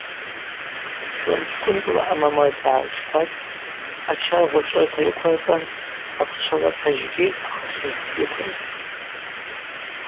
Чуанчкӏвынкӏла амамырса гӏарчпатӏ, ачаргъва чӏврыта йыквырцӏан аквчвалаца жьгьи ахъахьы йыквырцӏахтӏ.